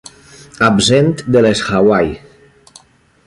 Absent de les Hawaii.